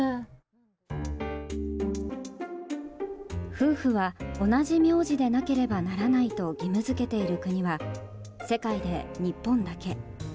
夫婦は同じ名字でなければならないと義務付けている国は世界で日本だけ。